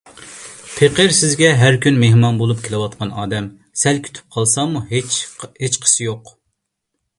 پېقىر سىزگە ھەر كۈنى مېھمان بولۇپ كېلىۋاتقان ئادەم، سەل كۈتۈپ قالساممۇ ھېچقىسى يوق.